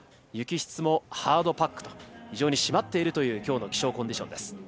雪質もハードパックと非常に締まっているというきょうの気象コンディションです。